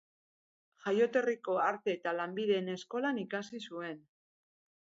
Jaioterriko Arte eta Lanbideen Eskolan ikasi zuen.